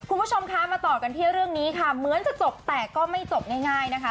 คุณผู้ชมคะมาต่อกันที่เรื่องนี้ค่ะเหมือนจะจบแต่ก็ไม่จบง่ายนะคะ